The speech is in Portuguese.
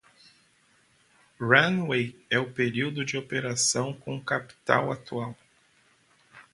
Runway é o período de operação com o capital atual.